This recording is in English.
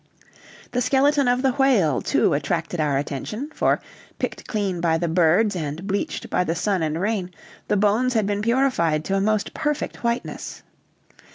The skeleton of the whale, too, attracted our attention, for, picked clean by the birds and bleached by the sun and rain, the bones had been purified to a most perfect whiteness.